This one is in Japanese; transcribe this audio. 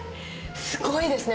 すごいですね。